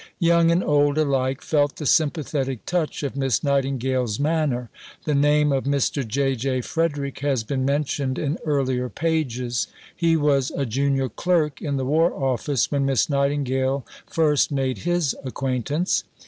Young and old alike felt the sympathetic touch of Miss Nightingale's manner. The name of Mr. J. J. Frederick has been mentioned in earlier pages. He was a junior clerk in the War Office when Miss Nightingale first made his acquaintance.